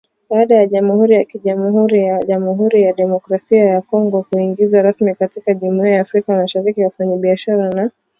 Baada ya Jamhuri ya KiJamuhuri ya Jamuhuri ya Demokrasia ya Kongo kuingizwa rasmi katika Jumuiya ya Afrika Mashariki wafanyabiashara na